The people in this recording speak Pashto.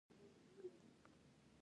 ازادي راډیو د تعلیم اړوند مرکې کړي.